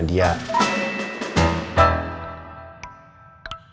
pada saat ini